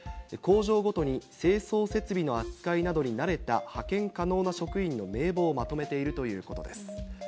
工場ごとに清掃設備の扱いなどに慣れた派遣可能な職員の名簿をまとめているということです。